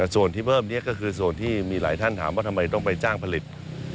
ส่วนที่เพิ่มนี้ก็คือส่วนที่มีหลายท่านถามว่าทำไมต้องไปจ้างผลิต